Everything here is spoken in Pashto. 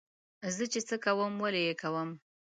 زه چې څه کوم ولې یې کوم.